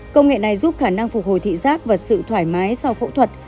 công nghệ này giúp khả năng phục hồi thị giác và sự thoải mái sau phẫu thuật